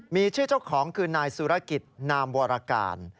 มีชื่อเจ้าของคือนายสุรกิจนามวรการ